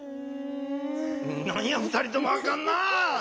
なんや２人ともあかんなあ。